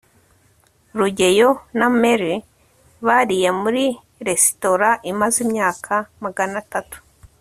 rugeyo na mary bariye muri resitora imaze imyaka magana atatu